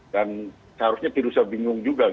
dan seharusnya tidak usah bingung juga